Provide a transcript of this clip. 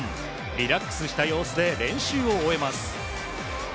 リラックスした様子で練習を終えます。